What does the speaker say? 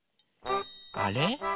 あれ？